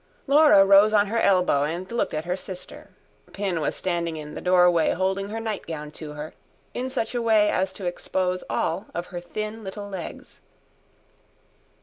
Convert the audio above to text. Laura rose on her elbow and looked at her sister: Pin was standing in the doorway holding her nightgown to her, in such a way as to expose all of her thin little legs.